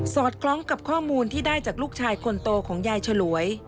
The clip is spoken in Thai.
อดคล้องกับข้อมูลที่ได้จากลูกชายคนโตของยายฉลวย